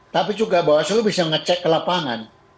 tapi juga bawaslu bisa ngecek ke lapangan